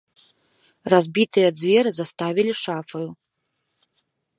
Разбітыя дзверы заставілі шафаю.